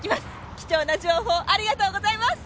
貴重な情報ありがとうございます。